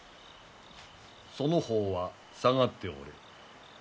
その方は下がっておれ。